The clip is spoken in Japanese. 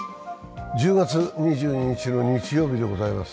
１０月２２日の日曜日でございます。